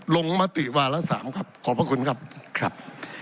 ลงวะติวาละสามครับขอบพระคุณครับ